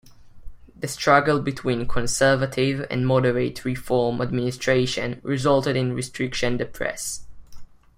The struggle between conservative and moderate reform administration resulted in restriction the press.